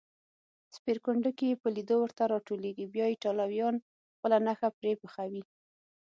سپېرکونډکې یې په لېدو ورته راټولېږي، بیا ایټالویان خپله نښه پرې پخوي.